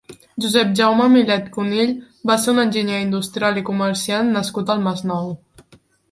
Josep Jaume Millet Cunill va ser un enginyer industrial i comerciant nascut al Masnou.